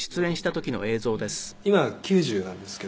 「今９０なんですけど」